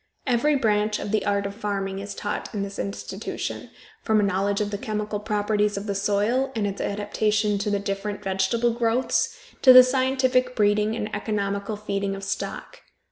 Every branch of the art of farming is taught in this institution, from a knowledge of the chemical properties of the soil and its adaptation to the different vegetable growths, to the scientific breeding and economical feeding of stock.